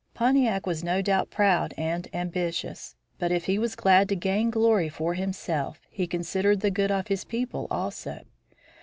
Pontiac was no doubt proud and ambitious. But if he was glad to gain glory for himself he considered the good of his people also.